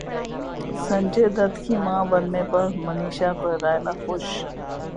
سنجے دت کی ماں بننے پرمنیشا کوئرالا خوش